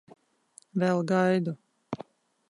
Vēl gaidu.